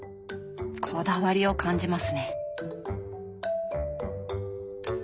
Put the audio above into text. こだわりを感じますね。